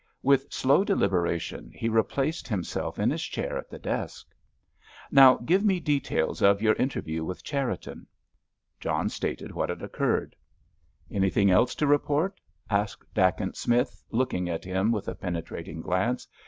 With slow deliberation he replaced himself in his chair at the desk. "Now give me details of your interview with Cherriton." John stated what had occurred. "Anything else to report?" asked Dacent Smith, looking at him with a penetrating glance.